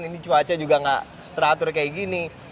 ini cuaca juga nggak teratur kayak gini